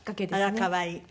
あら可愛い。